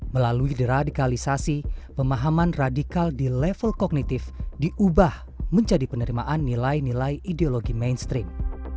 melalui deradikalisasi pemahaman radikal di level kognitif diubah menjadi penerimaan nilai nilai ideologi mainstream